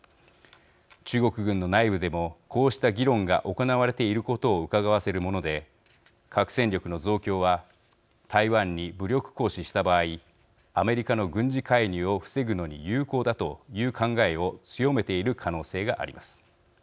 中国軍の内部でもこうした議論が行われていることをうかがわせるもので核戦力の増強は台湾に武力行使した場合アメリカの軍事介入を防ぐのに有効だという考えを強めている可能性があります。